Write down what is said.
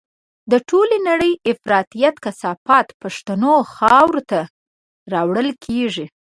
د ټولې نړۍ د افراطيت کثافات پښتنو خاورو ته راوړل کېږي.